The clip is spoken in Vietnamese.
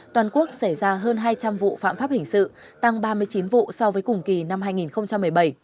toàn quốc xảy ra hơn hai trăm linh vụ phạm pháp hình sự tăng ba mươi chín vụ so với cùng kỳ năm hai nghìn một mươi bảy